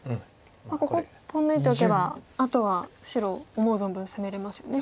ここポン抜いておけばあとは白を思う存分攻めれますよね。